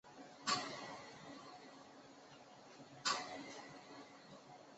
丽山高中校歌歌词亦出于其手笔。